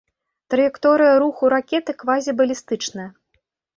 Траекторыя руху ракеты квазібалістычная.